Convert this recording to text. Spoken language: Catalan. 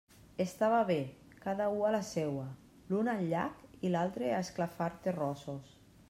Estava bé; cada u a la seua: l'un al llac i l'altre a esclafar terrossos.